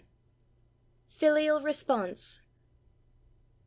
FILIAL RESPONSE.